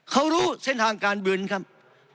เขารู้เส้นทางการบินครับ